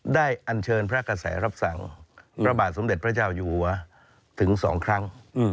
ได้อัญเชิญพระกษัยรับสั่งระบาดสมเด็จพระเจ้าอยู่วะถึงสองครั้ง